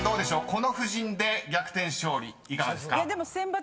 ［この布陣で逆転勝利いかがですか？］